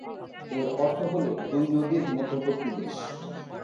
এর অর্থ হল দুই নদীর মধ্যবর্তী দেশ।